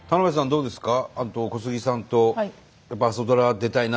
どうですか？